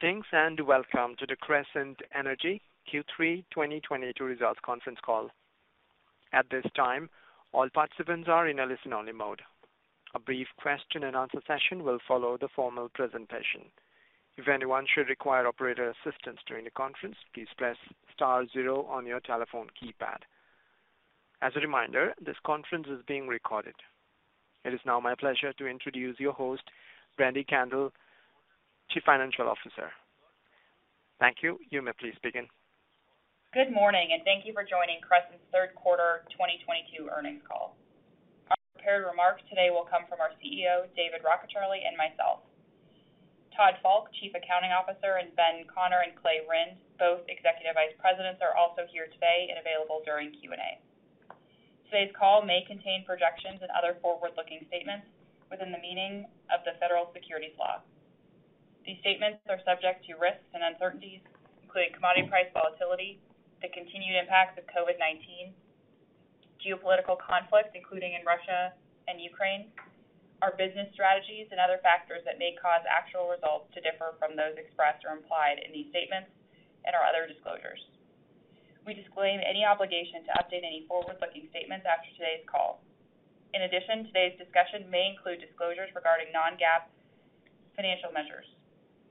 Greetings, and welcome to the Crescent Energy Q3 2022 results conference call. At this time, all participants are in a listen-only mode. A brief question and answer session will follow the formal presentation. If anyone should require operator assistance during the conference, please press star zero on your telephone keypad. As a reminder, this conference is being recorded. It is now my pleasure to introduce your host, Brandi Kendall, Chief Financial Officer. Thank you. You may please begin. Good morning, and thank you for joining Crescent's third quarter 2022 earnings call. Our prepared remarks today will come from our CEO, David Rockecharlie, and myself. Todd Falk, Chief Accounting Officer, and Ben Conner and Clay Rynd, both Executive Vice Presidents, are also here today and available during Q&A. Today's call may contain projections and other forward-looking statements within the meaning of the federal securities law. These statements are subject to risks and uncertainties, including commodity price volatility, the continued impact of COVID-19, geopolitical conflict, including in Russia and Ukraine, our business strategies and other factors that may cause actual results to differ from those expressed or implied in these statements and our other disclosures. We disclaim any obligation to update any forward-looking statements after today's call. In addition, today's discussion may include disclosures regarding non-GAAP financial measures.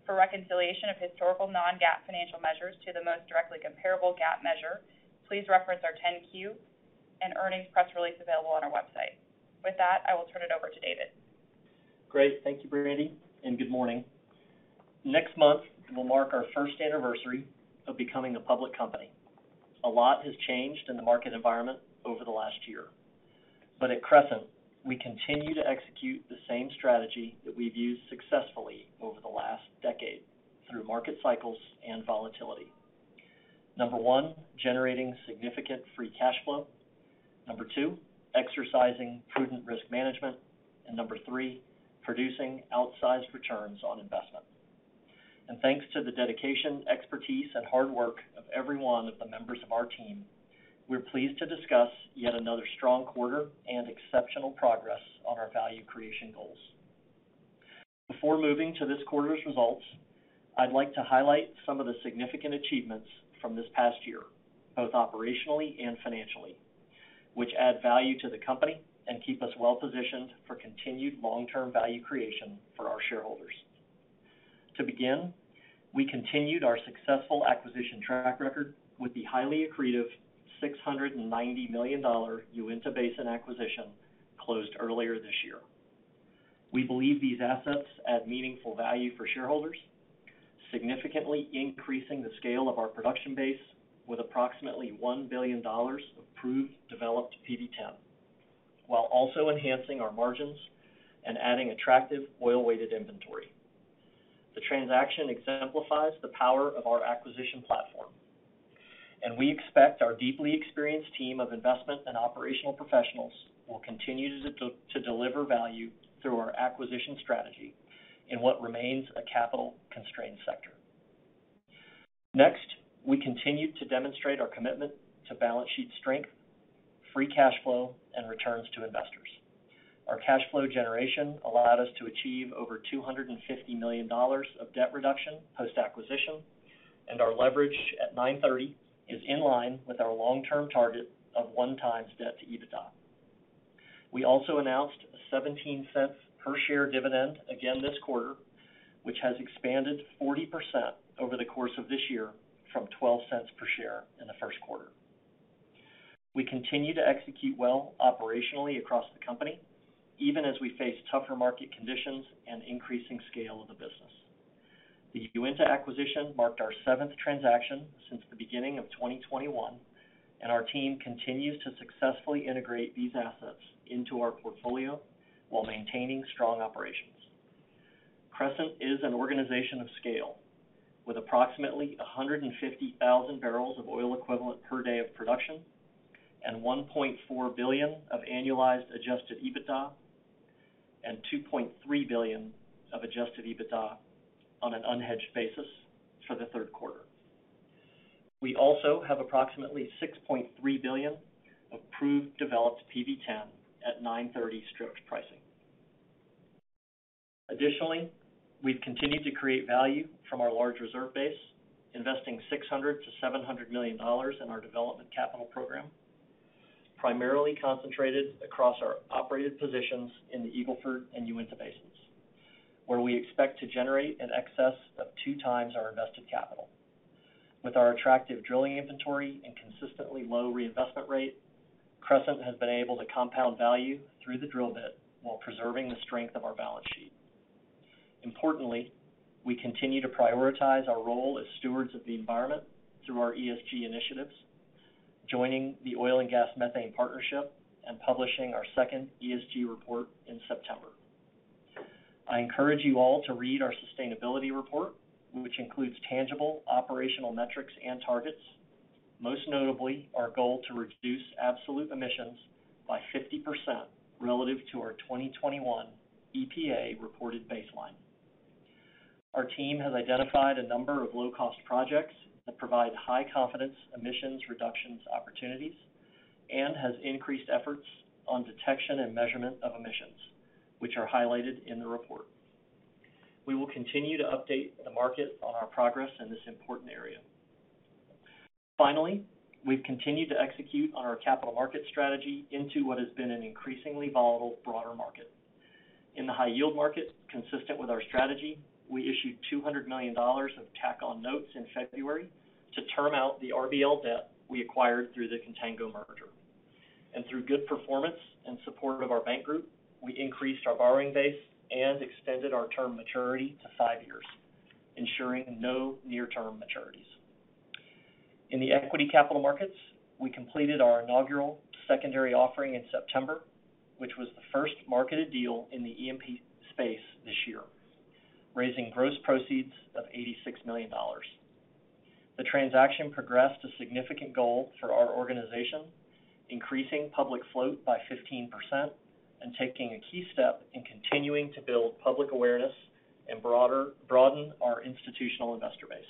For reconciliation of historical non-GAAP financial measures to the most directly comparable GAAP measure, please reference our 10-Q and earnings press release available on our website. With that, I will turn it over to David. Great. Thank you, Brandi, and good morning. Next month will mark our first anniversary of becoming a public company. A lot has changed in the market environment over the last year. At Crescent, we continue to execute the same strategy that we've used successfully over the last decade through market cycles and volatility. Number one, generating significant free cash flow. Number two, exercising prudent risk management. Number three, producing outsized returns on investment. Thanks to the dedication, expertise, and hard work of every one of the members of our team, we're pleased to discuss yet another strong quarter and exceptional progress on our value creation goals. Before moving to this quarter's results, I'd like to highlight some of the significant achievements from this past year, both operationally and financially, which add value to the company and keep us well-positioned for continued long-term value creation for our shareholders. To begin, we continued our successful acquisition track record with the highly accretive $690 million Uinta Basin acquisition closed earlier this year. We believe these assets add meaningful value for shareholders, significantly increasing the scale of our production base with approximately $1 billion of proved developed PV-10, while also enhancing our margins and adding attractive oil-weighted inventory. The transaction exemplifies the power of our acquisition platform, and we expect our deeply experienced team of investment and operational professionals will continue to deliver value through our acquisition strategy in what remains a capital-constrained sector. Next, we continue to demonstrate our commitment to balance sheet strength, free cash flow, and returns to investors. Our cash flow generation allowed us to achieve over $250 million of debt reduction post-acquisition, and our leverage at 9/30 is in line with our long-term target of 1x debt to EBITDA. We also announced a $0.17 per share dividend again this quarter, which has expanded 40% over the course of this year from $0.12 per share in the first quarter. We continue to execute well operationally across the company, even as we face tougher market conditions and increasing scale of the business. The Uinta acquisition marked our seventh transaction since the beginning of 2021, and our team continues to successfully integrate these assets into our portfolio while maintaining strong operations. Crescent is an organization of scale with approximately 150,000 barrels of oil equivalent per day of production and $1.4 billion of annualized adjusted EBITDA and $2.3 billion of adjusted EBITDA on an unhedged basis for the third quarter. We also have approximately $6.3 billion of proved developed PV-10 at 9/30 strip pricing. Additionally, we've continued to create value from our large reserve base, investing $600 million-$700 million in our development capital program, primarily concentrated across our operated positions in the Eagle Ford and Uinta Basins, where we expect to generate in excess of 2x our invested capital. With our attractive drilling inventory and consistently low reinvestment rate, Crescent has been able to compound value through the drill bit while preserving the strength of our balance sheet. Importantly, we continue to prioritize our role as stewards of the environment through our ESG initiatives, joining the Oil and Gas Methane Partnership and publishing our second ESG report in September. I encourage you all to read our sustainability report, which includes tangible operational metrics and targets, most notably our goal to reduce absolute emissions by 50% relative to our 2021 EPA reported baseline. Our team has identified a number of low-cost projects that provide high-confidence emissions reductions opportunities and has increased efforts on detection and measurement of emissions, which are highlighted in the report. We will continue to update the market on our progress in this important area. Finally, we've continued to execute on our capital market strategy into what has been an increasingly volatile, broader market. In the high yield market, consistent with our strategy, we issued $200 million of tack-on notes in February to term out the RBL debt we acquired through the Contango merger. Through good performance and support of our bank group, we increased our borrowing base and extended our term maturity to 5 years, ensuring no near-term maturities. In the equity capital markets, we completed our inaugural secondary offering in September, which was the first marketed deal in the E&P space this year, raising gross proceeds of $86 million. The transaction progressed a significant goal for our organization, increasing public float by 15% and taking a key step in continuing to build public awareness and broaden our institutional investor base.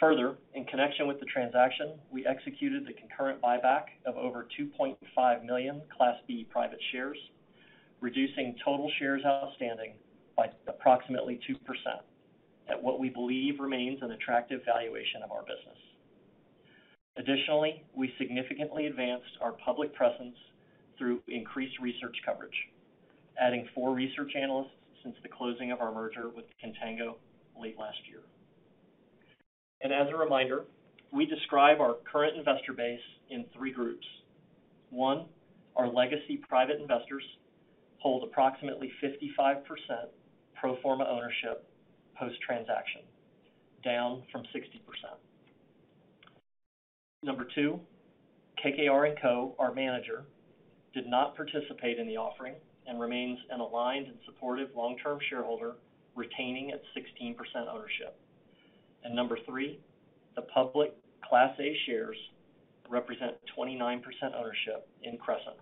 Further, in connection with the transaction, we executed the concurrent buyback of over 2.5 million Class B private shares, reducing total shares outstanding by approximately 2% at what we believe remains an attractive valuation of our business. Additionally, we significantly advanced our public presence through increased research coverage, adding four research analysts since the closing of our merger with Contango late last year. As a reminder, we describe our current investor base in three groups. One, our legacy private investors hold approximately 55% pro forma ownership post-transaction, down from 60%. Number two, KKR & Co, our manager, did not participate in the offering and remains an aligned and supportive long-term shareholder, retaining its 16% ownership. Number three, the public Class A shares represent 29% ownership in Crescent,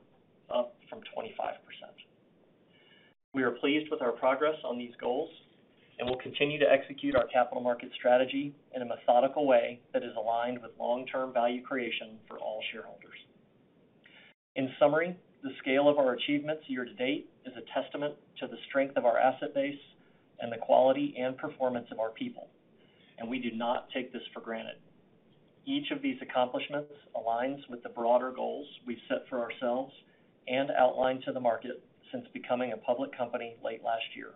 up from 25%. We are pleased with our progress on these goals and will continue to execute our capital market strategy in a methodical way that is aligned with long-term value creation for all shareholders. In summary, the scale of our achievements year-to-date is a testament to the strength of our asset base and the quality and performance of our people, and we do not take this for granted. Each of these accomplishments aligns with the broader goals we've set for ourselves and outlined to the market since becoming a public company late last year.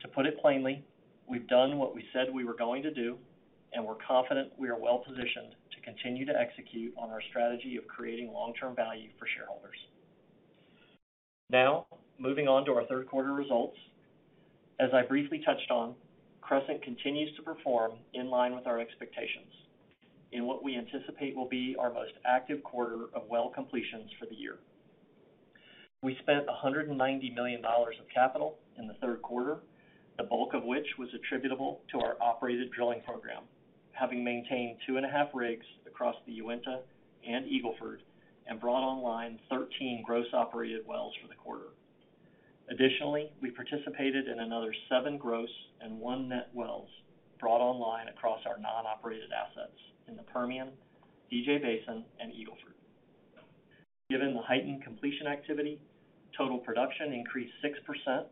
To put it plainly, we've done what we said we were going to do, and we're confident we are well-positioned to continue to execute on our strategy of creating long-term value for shareholders. Now, moving on to our third quarter results. As I briefly touched on, Crescent continues to perform in line with our expectations in what we anticipate will be our most active quarter of well completions for the year. We spent $190 million of capital in the third quarter, the bulk of which was attributable to our operated drilling program, having maintained 2.5 rigs across the Uinta and Eagle Ford, and brought online 13 gross operated wells for the quarter. Additionally, we participated in another seven gross and one net wells brought online across our non-operated assets in the Permian, DJ Basin, and Eagle Ford. Given the heightened completion activity, total production increased 6%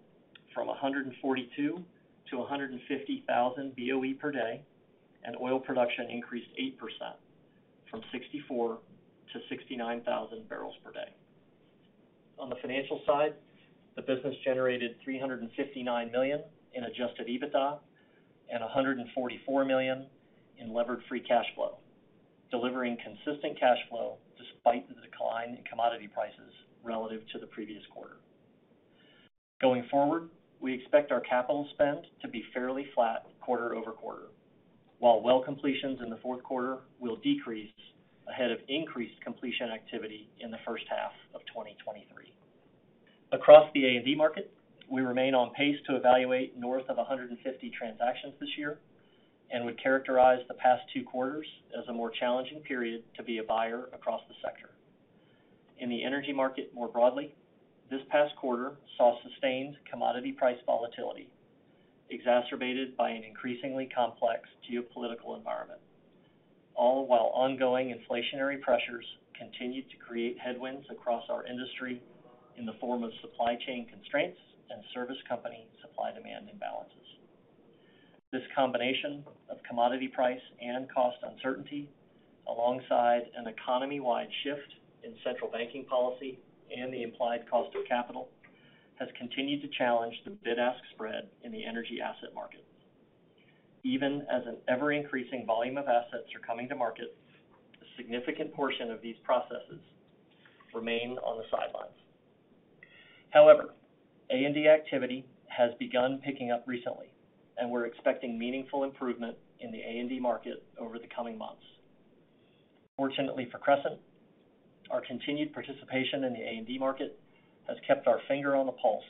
from 142,000 to 150,000 BOE per day, and oil production increased 8% from 64,000 to 69,000 barrels per day. On the financial side, the business generated $359 million in adjusted EBITDA and $144 million in levered free cash flow, delivering consistent cash flow despite the decline in commodity prices relative to the previous quarter. Going forward, we expect our capital spend to be fairly flat quarter-over-quarter, while well completions in the fourth quarter will decrease ahead of increased completion activity in the first half of 2023. Across the A&D market, we remain on pace to evaluate north of 150 transactions this year and would characterize the past two quarters as a more challenging period to be a buyer across the sector. In the energy market more broadly, this past quarter saw sustained commodity price volatility exacerbated by an increasingly complex geopolitical environment, all while ongoing inflationary pressures continued to create headwinds across our industry in the form of supply chain constraints and service company supply-demand imbalances. This combination of commodity price and cost uncertainty, alongside an economy-wide shift in central banking policy and the implied cost of capital, has continued to challenge the bid-ask spread in the energy asset market. Even as an ever-increasing volume of assets are coming to market, a significant portion of these processes remain on the sidelines. However, A&D activity has begun picking up recently, and we're expecting meaningful improvement in the A&D market over the coming months. Fortunately for Crescent, our continued participation in the A&D market has kept our finger on the pulse,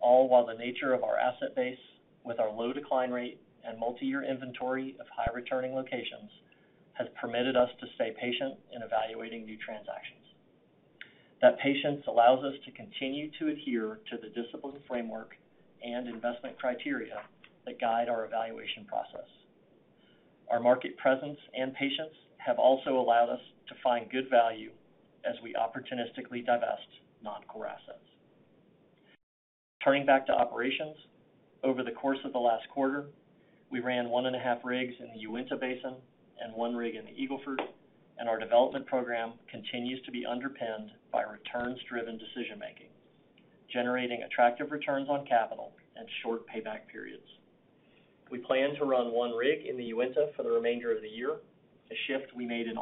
all while the nature of our asset base with our low decline rate and multi-year inventory of high returning locations has permitted us to stay patient in evaluating new transactions. That patience allows us to continue to adhere to the disciplined framework and investment criteria that guide our evaluation process. Our market presence and patience have also allowed us to find good value as we opportunistically divest non-core assets. Turning back to operations, over the course of the last quarter, we ran one and a half rigs in the Uinta Basin and one rig in the Eagle Ford, and our development program continues to be underpinned by returns-driven decision-making, generating attractive returns on capital and short payback periods. We plan to run one rig in the Uinta for the remainder of the year, a shift we made in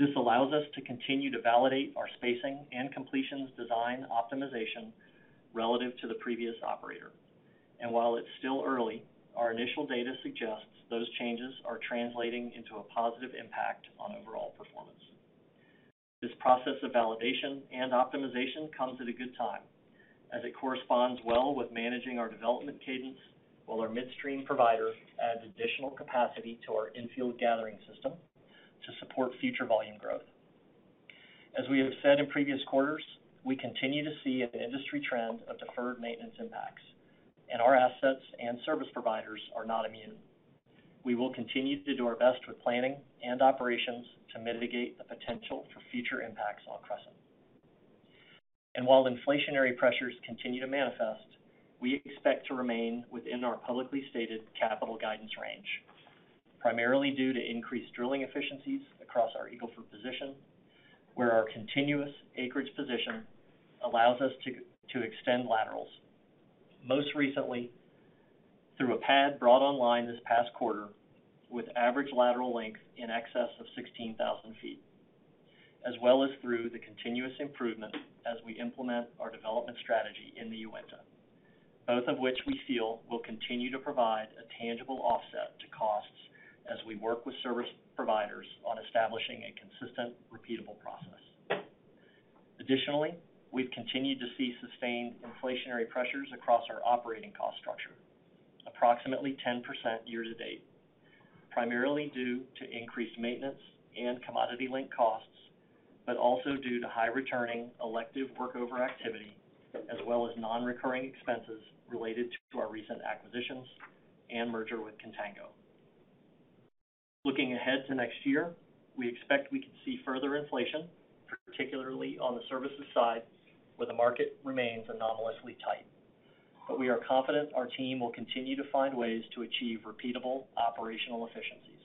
August. This allows us to continue to validate our spacing and completions design optimization relative to the previous operator. While it's still early, our initial data suggests those changes are translating into a positive impact on overall performance. This process of validation and optimization comes at a good time, as it corresponds well with managing our development cadence while our midstream provider adds additional capacity to our infield gathering system to support future volume growth. As we have said in previous quarters, we continue to see an industry trend of deferred maintenance impacts, and our assets and service providers are not immune. We will continue to do our best with planning and operations to mitigate the potential for future impacts on Crescent. While inflationary pressures continue to manifest, we expect to remain within our publicly stated capital guidance range, primarily due to increased drilling efficiencies across our Eagle Ford position, where our continuous acreage position allows us to extend laterals. Most recently, through a pad brought online this past quarter with average lateral length in excess of 16,000 feet, as well as through the continuous improvement as we implement our development strategy in the Uinta, both of which we feel will continue to provide a tangible offset to costs as we work with service providers on establishing a consistent, repeatable process. Additionally, we've continued to see sustained inflationary pressures across our operating cost structure, approximately 10% year-to-date, primarily due to increased maintenance and commodity-linked costs, but also due to high-returning elective workover activity, as well as non-recurring expenses related to our recent acquisitions and merger with Contango. Looking ahead to next year, we expect we could see further inflation, particularly on the services side, where the market remains anomalously tight. We are confident our team will continue to find ways to achieve repeatable operational efficiencies.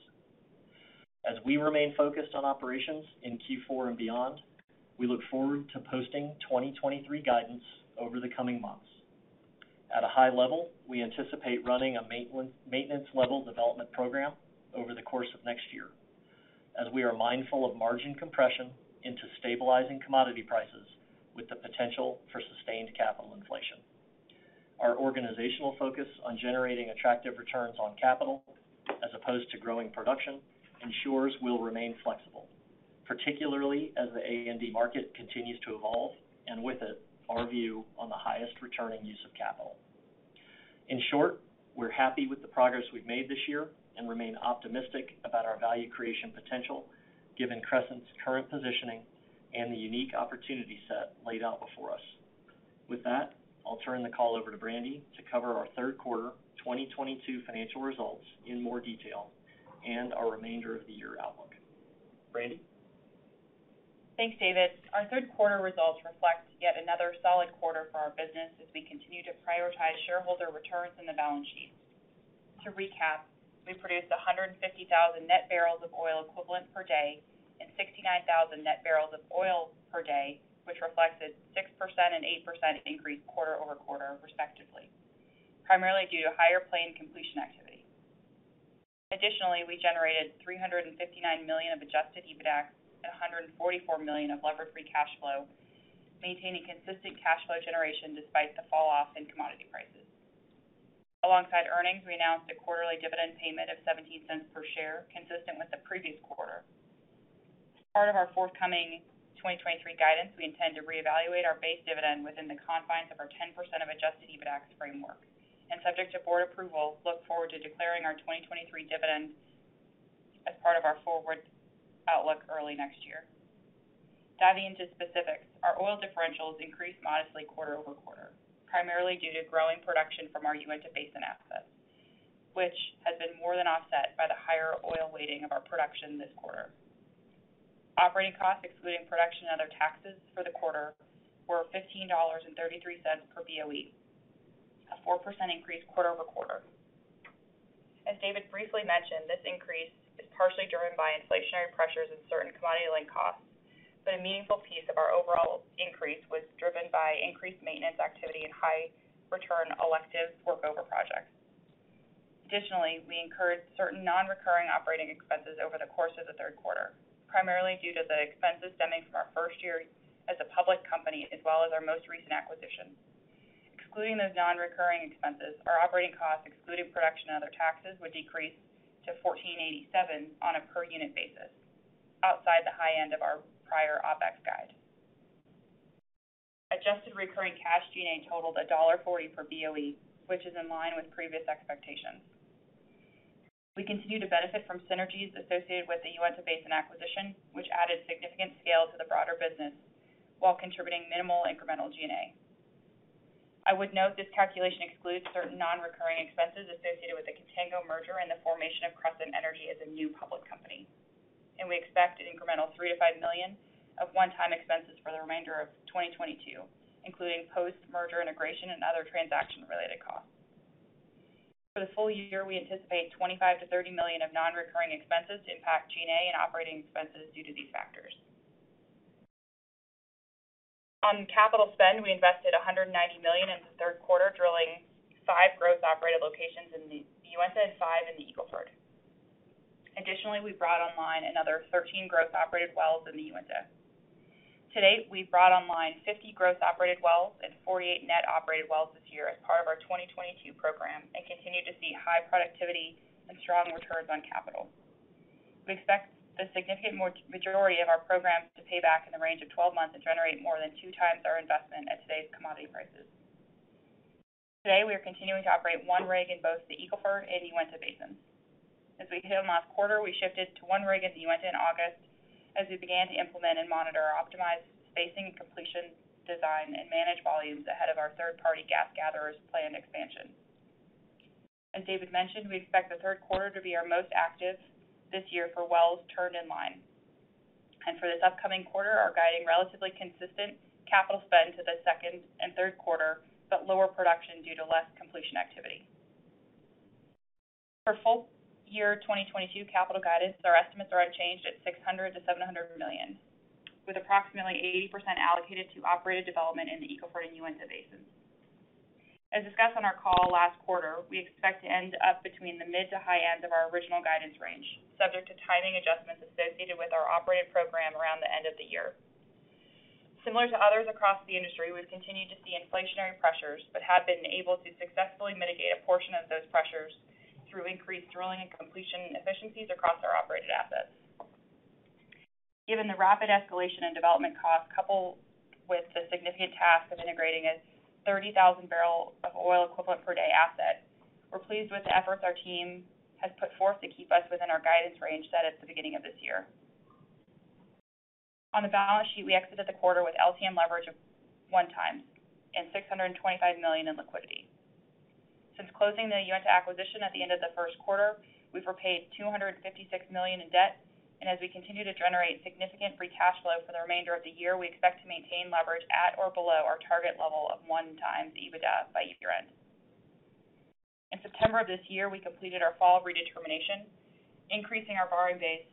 As we remain focused on operations in Q4 and beyond, we look forward to posting 2023 guidance over the coming months. At a high level, we anticipate running a maintenance level development program over the course of next year, as we are mindful of margin compression into stabilizing commodity prices with the potential for sustained capital inflation. Our organizational focus on generating attractive returns on capital, as opposed to growing production, ensures we'll remain flexible, particularly as the A&D market continues to evolve, and with it, our view on the highest returning use of capital. In short, we're happy with the progress we've made this year and remain optimistic about our value creation potential, given Crescent's current positioning and the unique opportunity set laid out before us. With that, I'll turn the call over to Brandi to cover our third quarter 2022 financial results in more detail and our remainder of the year outlook. Brandi? Thanks, David. Our third quarter results reflect yet another solid quarter for our business as we continue to prioritize shareholder returns and the balance sheet. To recap, we produced 150,000 net barrels of oil equivalent per day and 69,000 net barrels of oil per day, which reflects a 6% and 8% increase quarter-over-quarter respectively, primarily due to higher frac completion activity. Additionally, we generated $359 million of adjusted EBITDA and $144 million of levered free cash flow, maintaining consistent cash flow generation despite the fall off in commodity prices. Alongside earnings, we announced a quarterly dividend payment of $0.17 per share, consistent with the previous quarter. As part of our forthcoming 2023 guidance, we intend to reevaluate our base dividend within the confines of our 10% of adjusted EBITDA framework, and subject to board approval, look forward to declaring our 2023 dividends as part of our forward outlook early next year. Diving into specifics, our oil differentials increased modestly quarter-over-quarter, primarily due to growing production from our Uinta Basin assets, which has been more than offset by the higher oil weighting of our production this quarter. Operating costs, excluding production and other taxes for the quarter, were $15.33 per BOE, a 4% increase quarter-over-quarter. As David briefly mentioned, this increase is partially driven by inflationary pressures and certain commodity linked costs, but a meaningful piece of our overall increase was driven by increased maintenance activity and high return elective workover projects. Additionally, we incurred certain non-recurring operating expenses over the course of the third quarter, primarily due to the expenses stemming from our first year as a public company, as well as our most recent acquisition. Excluding those non-recurring expenses, our operating costs, excluding production and other taxes, would decrease to $14.87 on a per unit basis, outside the high end of our prior OpEx guide. Adjusted recurring cash G&A totaled $1.40 per BOE, which is in line with previous expectations. We continue to benefit from synergies associated with the Uinta Basin acquisition, which added significant scale to the broader business while contributing minimal incremental G&A. I would note this calculation excludes certain non-recurring expenses associated with the Contango merger and the formation of Crescent Energy as a new public company. We expect an incremental $3 million-$5 million of one-time expenses for the remainder of 2022, including post-merger integration and other transaction-related costs. For the full year, we anticipate $25 million-$30 million of non-recurring expenses to impact G&A and operating expenses due to these factors. On capital spend, we invested $190 million in the third quarter, drilling 5 growth operated locations in the Uinta and five in the Eagle Ford. Additionally, we brought online another 13 growth operated wells in the Uinta. To date, we've brought online 50 growth operated wells and 48 net operated wells this year as part of our 2022 program and continue to see high productivity and strong returns on capital. We expect the significant majority of our programs to pay back in the range of 12 months and generate more than 2x our investment at today's commodity prices. Today, we are continuing to operate one rig in both the Eagle Ford and Uinta Basins. As we hit them last quarter, we shifted to one rig in the Uinta in August as we began to implement and monitor our optimized spacing and completion design and manage volumes ahead of our third-party gas gatherers' planned expansion. As David mentioned, we expect the third quarter to be our most active this year for wells turned in line. For this upcoming quarter, are guiding relatively consistent capital spend to the second and third quarter, but lower production due to less completion activity. For full year 2022 capital guidance, our estimates are unchanged at $600 million-$700 million, with approximately 80% allocated to operated development in the Eagle Ford and Uinta Basins. As discussed on our call last quarter, we expect to end up between the mid to high ends of our original guidance range, subject to timing adjustments associated with our operated program around the end of the year. Similar to others across the industry, we've continued to see inflationary pressures but have been able to successfully mitigate a portion of those pressures through increased drilling and completion efficiencies across our operated assets. Given the rapid escalation in development costs, coupled with the significant task of integrating a 30,000 barrel of oil equivalent per day asset, we're pleased with the efforts our team has put forth to keep us within our guidance range set at the beginning of this year. On the balance sheet, we exited the quarter with LTM leverage of 1x and $625 million in liquidity. Since closing the Uinta acquisition at the end of the first quarter, we've repaid $256 million in debt. As we continue to generate significant free cash flow for the remainder of the year, we expect to maintain leverage at or below our target level of 1x EBITDA by year-end. In September of this year, we completed our fall redetermination, increasing our borrowing base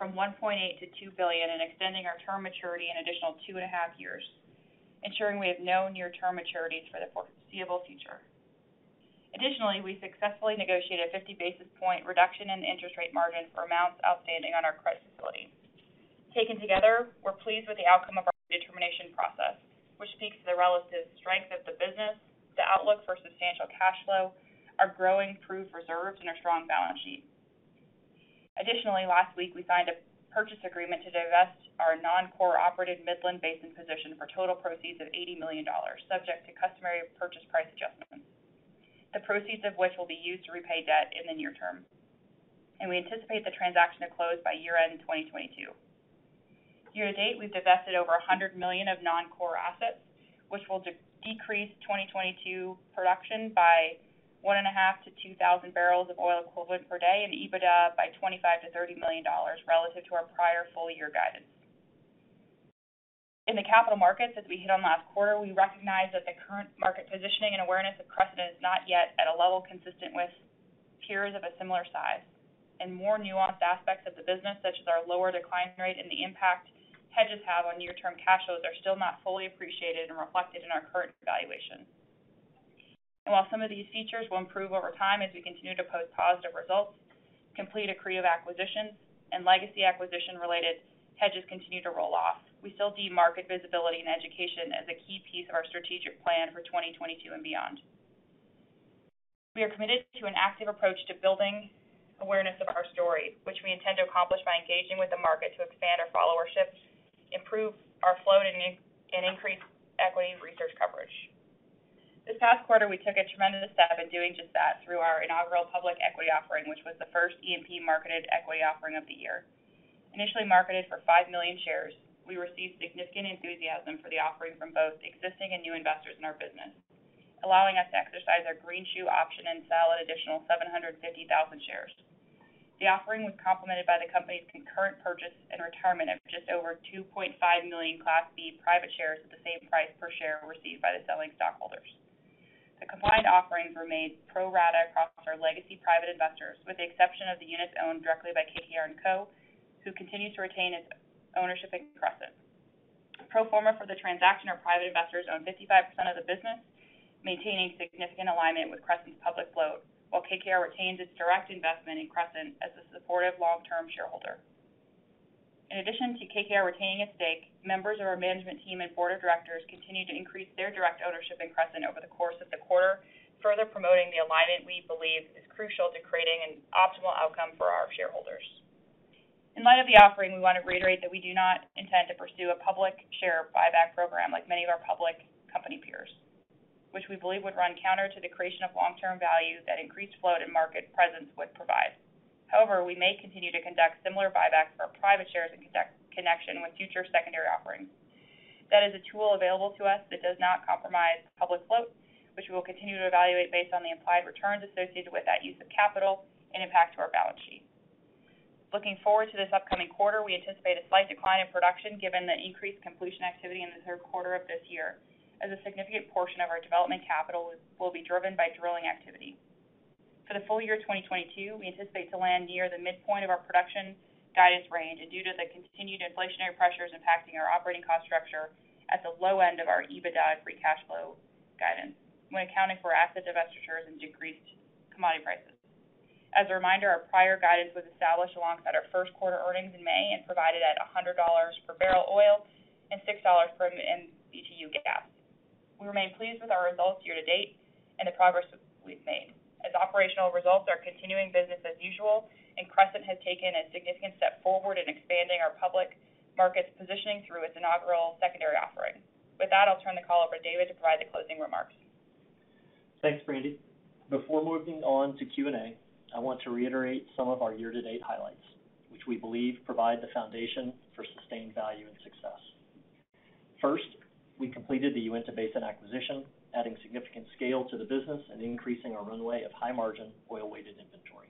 from $1.8 billion to $2 billion and extending our term maturity an additional 2.5 years, ensuring we have no near-term maturities for the foreseeable future. Additionally, we successfully negotiated a 50 basis point reduction in the interest rate margin for amounts outstanding on our credit facility. Taken together, we're pleased with the outcome of our determination process, which speaks to the relative strength of the business, the outlook for substantial cash flow, our growing proved reserves, and our strong balance sheet. Additionally, last week, we signed a purchase agreement to divest our non-core operated Midland Basin position for total proceeds of $80 million, subject to customary purchase price adjustments, the proceeds of which will be used to repay debt in the near-term. We anticipate the transaction to close by year-end 2022. Year-to-date, we've divested over $100 million of non-core assets, which will decrease 2022 production by 1.5-2,000 barrels of oil equivalent per day and EBITDA by $25 million-$30 million relative to our prior full-year guidance. In the capital markets, as we hit on last quarter, we recognize that the current market positioning and awareness of Crescent is not yet at a level consistent with peers of a similar size. More nuanced aspects of the business, such as our lower decline rate and the impact hedges have on near-term cash flows, are still not fully appreciated and reflected in our current valuation. While some of these features will improve over time as we continue to post positive results, complete accretive acquisitions and legacy acquisition-related hedges continue to roll off, we still see market visibility and education as a key piece of our strategic plan for 2022 and beyond. We are committed to an active approach to building awareness of our story, which we intend to accomplish by engaging with the market to expand our followership, improve our float, and increase equity research coverage. This past quarter, we took a tremendous step in doing just that through our inaugural public equity offering, which was the first E&P marketed equity offering of the year. Initially marketed for 5 million shares, we received significant enthusiasm for the offering from both existing and new investors in our business, allowing us to exercise our greenshoe option and sell an additional 750,000 shares. The offering was complemented by the company's concurrent purchase and retirement of just over 2.5 million Class B private shares at the same price per share received by the selling stockholders. The combined offerings were made pro rata across our legacy private investors, with the exception of the units owned directly by KKR & Co, who continues to retain its ownership in Crescent. Pro forma for the transaction, our private investors own 55% of the business, maintaining significant alignment with Crescent's public float, while KKR retains its direct investment in Crescent as a supportive long-term shareholder. In addition to KKR retaining its stake, members of our management team and board of directors continue to increase their direct ownership in Crescent over the course of the quarter, further promoting the alignment we believe is crucial to creating an optimal outcome for our shareholders. Out of the offering, we want to reiterate that we do not intend to pursue a public share buyback program like many of our public company peers, which we believe would run counter to the creation of long-term value that increased float and market presence would provide. However, we may continue to conduct similar buybacks for our private shares in connection with future secondary offerings. That is a tool available to us that does not compromise public float, which we will continue to evaluate based on the implied returns associated with that use of capital and impact to our balance sheet. Looking forward to this upcoming quarter, we anticipate a slight decline in production given the increased completion activity in the third quarter of this year, as a significant portion of our development capital will be driven by drilling activity. For the full year 2022, we anticipate to land near the midpoint of our production guidance range, and due to the continued inflationary pressures impacting our operating cost structure, at the low end of our EBITDA free cash flow guidance when accounting for asset divestitures and decreased commodity prices. As a reminder, our prior guidance was established alongside our first quarter earnings in May and provided at $100 per barrel oil and $6 per MMBtu gas. We remain pleased with our results year to date and the progress we've made, as operational results are continuing business as usual, and Crescent has taken a significant step forward in expanding our public markets positioning through its inaugural secondary offering. With that, I'll turn the call over to David Rockecharlie to provide the closing remarks. Thanks, Brandi. Before moving on to Q&A, I want to reiterate some of our year-to-date highlights, which we believe provide the foundation for sustained value and success. First, we completed the Uinta Basin acquisition, adding significant scale to the business and increasing our runway of high-margin oil-weighted inventory.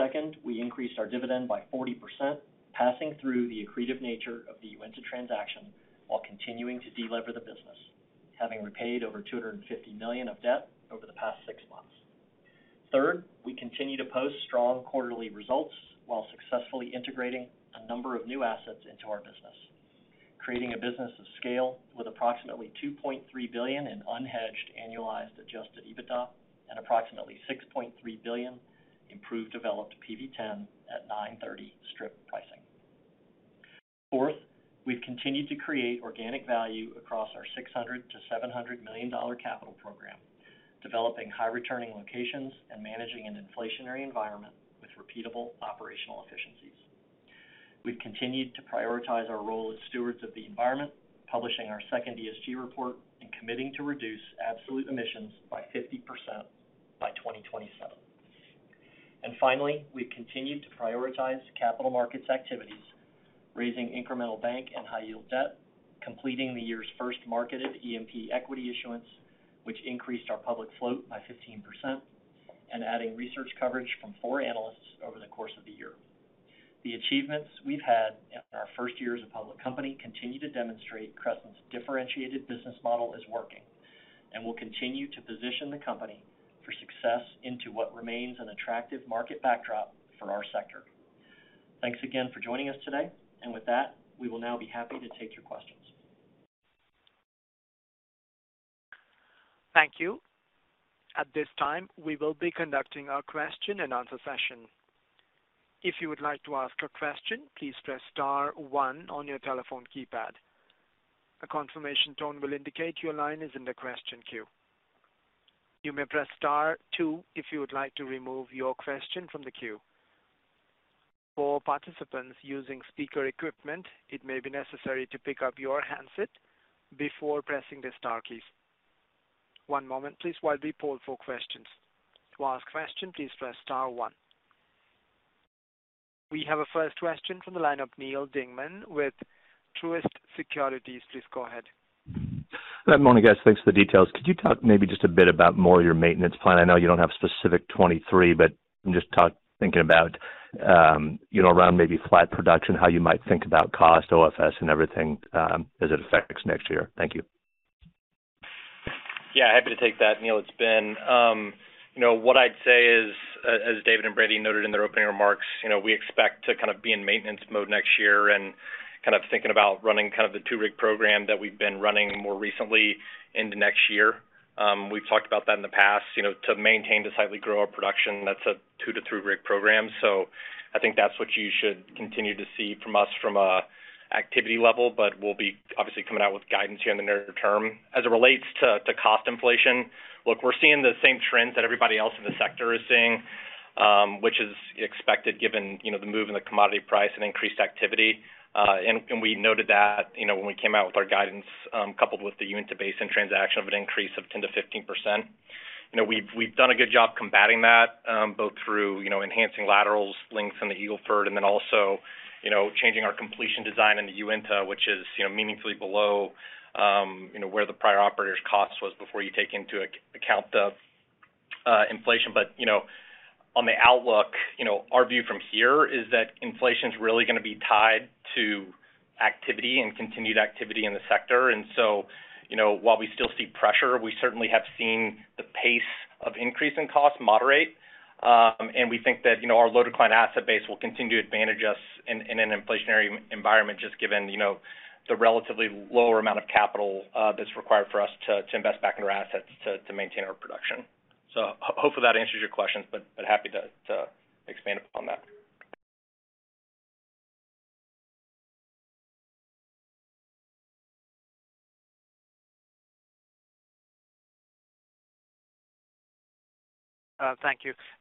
Second, we increased our dividend by 40%, passing through the accretive nature of the Uinta transaction while continuing to delever the business, having repaid over $250 million of debt over the past six months. Third, we continue to post strong quarterly results while successfully integrating a number of new assets into our business, creating a business of scale with approximately $2.3 billion in unhedged annualized adjusted EBITDA and approximately $6.3 billion improved developed PV-10 at 9/30 strip pricing. Fourth, we've continued to create organic value across our $600 million-$700 million capital program, developing high returning locations and managing an inflationary environment with repeatable operational efficiencies. We've continued to prioritize our role as stewards of the environment, publishing our second ESG report and committing to reduce absolute emissions by 50% by 2027. Finally, we've continued to prioritize capital markets activities, raising incremental bank and high yield debt, completing the year's first marketed E&P equity issuance, which increased our public float by 15%, and adding research coverage from 4 analysts over the course of the year. The achievements we've had in our first year as a public company continue to demonstrate Crescent's differentiated business model is working and will continue to position the company for success into what remains an attractive market backdrop for our sector. Thanks again for joining us today. With that, we will now be happy to take your questions. Thank you. At this time, we will be conducting our question and answer session. If you would like to ask a question, please press star one on your telephone keypad. A confirmation tone will indicate your line is in the question queue. You may press star two if you would like to remove your question from the queue. For participants using speaker equipment, it may be necessary to pick up your handset before pressing the star keys. One moment please while we poll for questions. To ask question, please press star one. We have a first question from the line of Neal Dingmann with Truist Securities. Please go ahead. Good morning, guys. Thanks for the details. Could you talk maybe just a bit about more of your maintenance plan? I know you don't have specific 2023, but I'm just thinking about, you know, around maybe flat production, how you might think about cost, OFS, and everything, as it affects next year. Thank you. Yeah, happy to take that, Neal. It's Ben. You know, what I'd say is as David and Brandi noted in their opening remarks, you know, we expect to kind of be in maintenance mode next year and kind of thinking about running kind of the 2-rig program that we've been running more recently into next year. We've talked about that in the past, you know, to maintain slightly grow our production. That's a 2-3-rig program. I think that's what you should continue to see from us from an activity level, but we'll be obviously coming out with guidance here in the near-term. As it relates to cost inflation, look, we're seeing the same trends that everybody else in the sector is seeing, which is expected given, you know, the move in the commodity price and increased activity. We noted that, you know, when we came out with our guidance, coupled with the Uinta Basin transaction of an increase of 10%-15%. You know, we've done a good job combating that, both through, you know, enhancing lateral lengths in the Eagle Ford, and then also, you know, changing our completion design in the Uinta, which is, you know, meaningfully below, you know, where the prior operator's cost was before you take into account the inflation. On the outlook, you know, our view from here is that inflation's really gonna be tied to activity and continued activity in the sector. You know, while we still see pressure, we certainly have seen the pace of increase in costs moderate. We think that, you know, our low decline asset base will continue to advantage us in an inflationary environment, just given, you know, the relatively lower amount of capital that's required for us to invest back into our assets to maintain our production. Hopefully, that answers your questions, but happy to expand upon that. Thank you.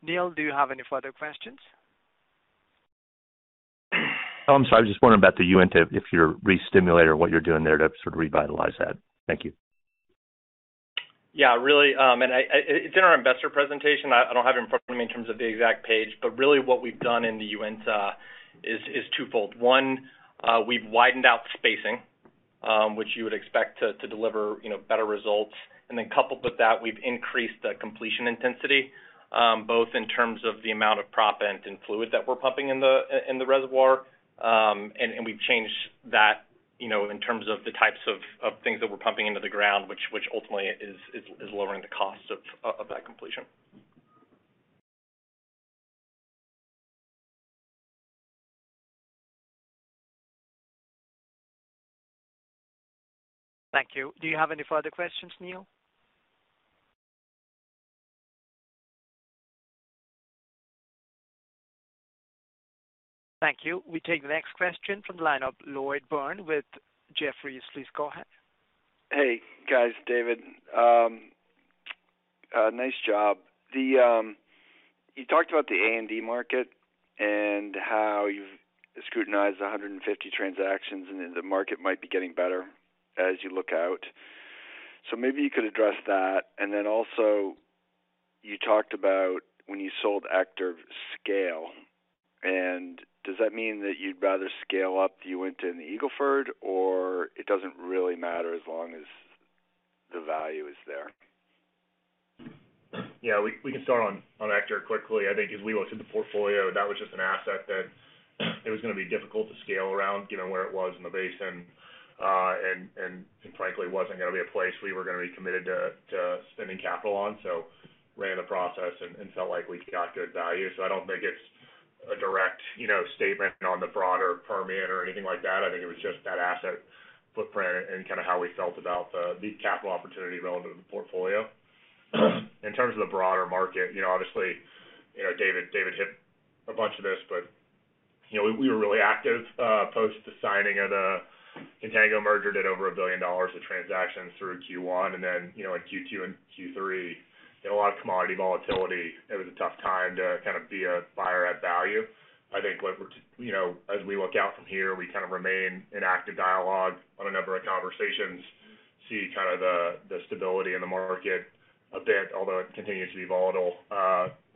Neal, do you have any further questions? Oh, I'm sorry. I was just wondering about the Uinta, if you're restimulating, what you're doing there to sort of revitalize that. Thank you. Yeah. Really, it's in our investor presentation. I don't have it in front of me in terms of the exact page, but really what we've done in the Uinta is twofold. One, we've widened out the spacing, which you would expect to deliver, you know, better results. Then coupled with that, we've increased the completion intensity, both in terms of the amount of proppant and fluid that we're pumping in the reservoir. We've changed that, you know, in terms of the types of things that we're pumping into the ground, which ultimately is lowering the cost of that completion. Thank you. Do you have any further questions, Neal? Thank you. We take the next question from the line of Lloyd Byrne with Jefferies. Please go ahead. Hey, guys. David. Nice job. You talked about the A&D market and how you've scrutinized 150 transactions, and then the market might be getting better as you look out. Maybe you could address that. Then also, you talked about when you sold Ector Shale, and does that mean that you'd rather scale up, you went into an Eagle Ford, or it doesn't really matter as long as the value is there? Yeah, we can start on Ector quickly. I think as we looked at the portfolio, that was just an asset that it was gonna be difficult to scale around given where it was in the basin. Frankly, wasn't gonna be a place we were gonna be committed to spending capital on. Ran the process and felt like we got good value. I don't think it's a direct, you know, statement on the broader Permian or anything like that. I think it was just that asset footprint and kinda how we felt about the capital opportunity relevant to the portfolio. In terms of the broader market, you know, obviously, you know, David hit a bunch of this, but, you know, we were really active post the signing of the Contango merger, did over $1 billion of transactions through Q1. Then, you know, in Q2 and Q3, you know, a lot of commodity volatility. It was a tough time to kind of be a buyer at value. I think you know, as we look out from here, we kind of remain in active dialogue on a number of conversations, see kind of the stability in the market a bit, although it continues to be volatile,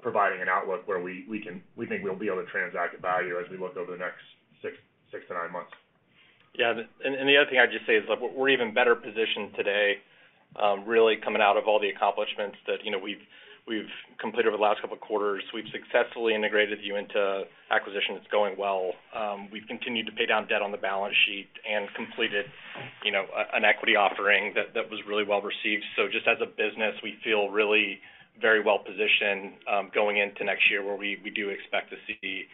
providing an outlook where we think we'll be able to transact at value as we look over the next six to nine months. Yeah. The other thing I'd just say is, look, we're even better positioned today, really coming out of all the accomplishments that, you know, we've completed over the last couple of quarters. We've successfully integrated Uinta acquisition. It's going well. We've continued to pay down debt on the balance sheet and completed, you know, an equity offering that was really well received. Just as a business, we feel really very well-positioned, going into next year where we do expect to see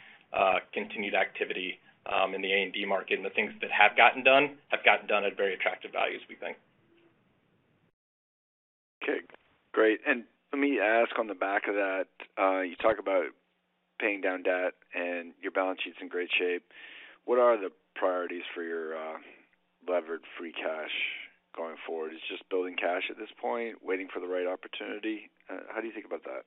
continued activity in the A&D market. The things that have gotten done have gotten done at very attractive values, we think. Okay, great. Let me ask on the back of that, you talk about paying down debt and your balance sheet's in great shape. What are the priorities for your levered free cash going forward? Is it just building cash at this point, waiting for the right opportunity? How do you think about that?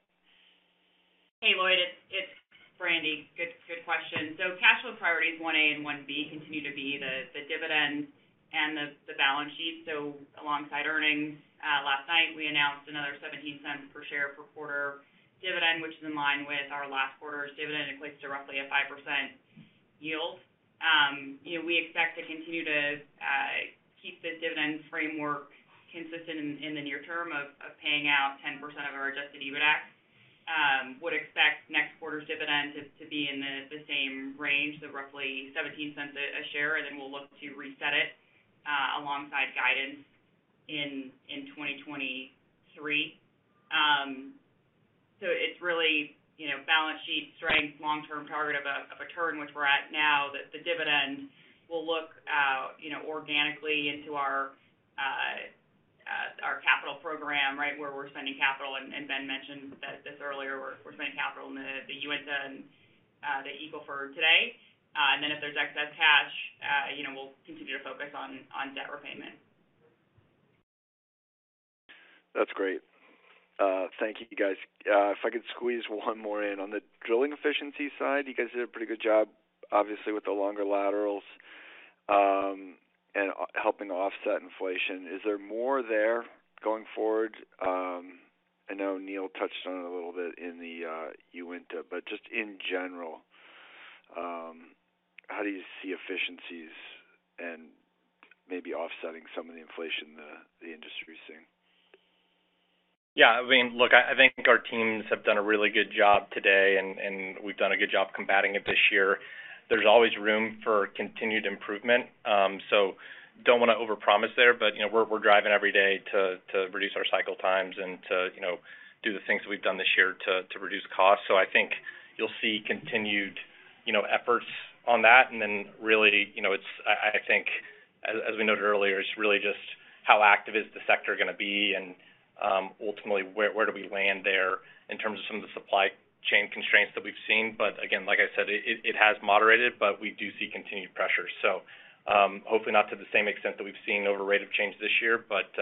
Hey, Lloyd, it's Brandi. Good question. Cash flow priorities one A and one B continue to be the dividend and the balance sheet. Alongside earnings, last night, we announced another $0.17 per share per quarter dividend, which is in line with our last quarter's dividend. Equates to roughly a 5% yield. You know, we expect to continue to keep the dividend framework consistent in the near-term of paying out 10% of our adjusted EBITDA. Would expect next quarter's dividend to be in the same range, roughly $0.17 a share, and then we'll look to reset it alongside guidance in 2023. It's really, you know, balance sheet strength, long-term target of a turn which we're at now that the dividend will look out, you know, organically into our capital program, right, where we're spending capital. Ben mentioned this earlier, we're spending capital in the Uinta and the Eagle Ford today. If there's excess cash, you know, we'll continue to focus on debt repayment. That's great. Thank you, guys. If I could squeeze one more in. On the drilling efficiency side, you guys did a pretty good job, obviously, with the longer laterals, and helping offset inflation. Is there more there going forward? I know Neal touched on it a little bit in the Uinta, but just in general, how do you see efficiencies and maybe offsetting some of the inflation the industry is seeing? Yeah. I mean, look, I think our teams have done a really good job today, and we've done a good job combating it this year. There's always room for continued improvement, so don't wanna overpromise there. You know, we're driving every day to reduce our cycle times and to do the things that we've done this year to reduce costs. So I think you'll see continued efforts on that. Then really, you know, it's. I think as we noted earlier, it's really just how active is the sector gonna be and ultimately, where do we land there in terms of some of the supply chain constraints that we've seen. Again, like I said, it has moderated, but we do see continued pressure. Hopefully not to the same extent that we've seen over rate of change this year, but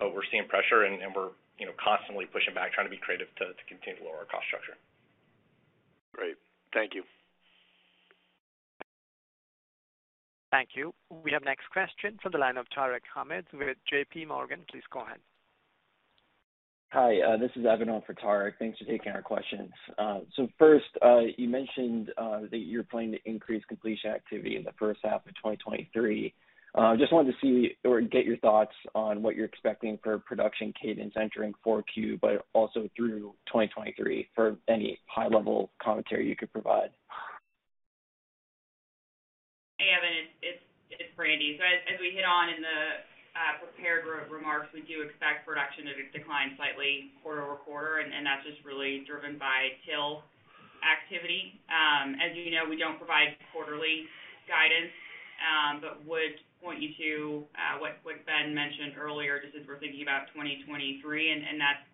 we're seeing pressure and we're, you know, constantly pushing back, trying to be creative to continue to lower our cost structure. Great. Thank you. Thank you. We have next question from the line of Tarek Hamid with JPMorgan. Please go ahead. Hi, this is Evan on for Tarek. Thanks for taking our questions. First, you mentioned that you're planning to increase completion activity in the first half of 2023. Just wanted to see or get your thoughts on what you're expecting for production cadence entering Q4, but also through 2023, for any high-level commentary you could provide. Hey, Evan, it's Brandi. As we hit on in the prepared remarks, we do expect production to decline slightly quarter-over-quarter, and that's just really driven by drill activity. As you know, we don't provide quarterly guidance, but would point you to what Ben mentioned earlier, just as we're thinking about 2023, and that's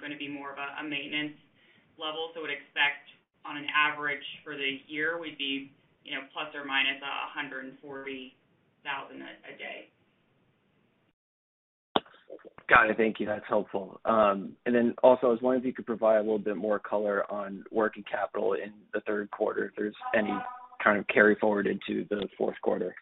gonna be more of a maintenance level. Would expect on an average for the year, we'd be ±140,000 a day. Got it. Thank you. That's helpful. I was wondering if you could provide a little bit more color on working capital in the third quarter, if there's any kind of carry-forward into the fourth quarter.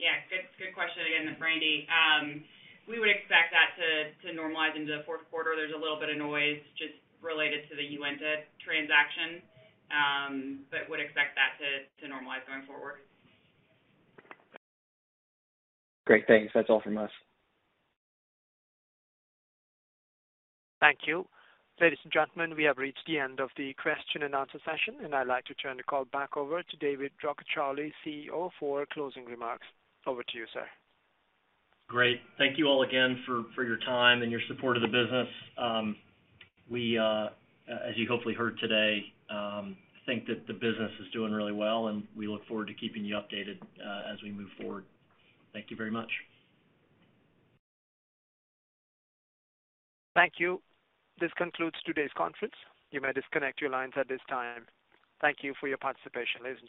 Yeah. Good question. Again, it's Brandi. We would expect that to normalize into the fourth quarter. There's a little bit of noise just related to the Uinta transaction, but would expect that to normalize going forward. Great. Thanks. That's all from us. Thank you. Ladies and gentlemen, we have reached the end of the question and answer session, and I'd like to turn the call back over to David Rockecharlie, CEO, for closing remarks. Over to you, sir. Great. Thank you all again for your time and your support of the business. We, as you hopefully heard today, think that the business is doing really well, and we look forward to keeping you updated, as we move forward. Thank you very much. Thank you. This concludes today's conference. You may disconnect your lines at this time. Thank you for your participation. Ladies and gentlemen.